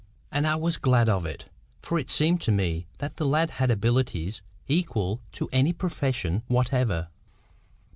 And I was glad of it; for it seemed to me that the lad had abilities equal to any profession whatever.